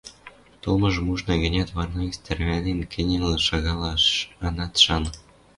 Толмыжым ужна гӹнят, вӓрнӓ гӹц тӓрвӓнен кӹньӹл шагалаш анат шаны.